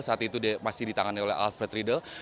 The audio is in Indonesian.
saat itu masih ditangani oleh alfred riedel